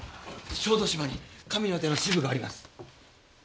小豆島に神の手の支部があります。